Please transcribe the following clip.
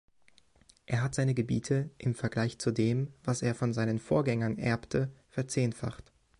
Er hat seine Gebiete im Vergleich zu dem, was er von seinen Vorgängern erbte, verzehnfacht.